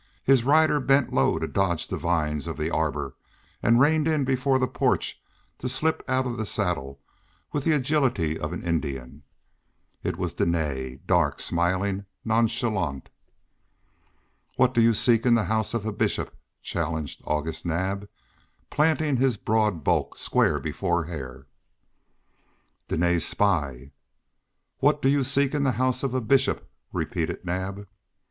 His rider bent low to dodge the vines of the arbor, and reined in before the porch to slip out of the saddle with the agility of an Indian. It was Dene, dark, smiling, nonchalant. "What do you seek in the house of a Bishop?" challenged August Naab, planting his broad bulk square before Hare. "Dene's spy!" "What do you seek in the house of a Bishop?" repeated Naab.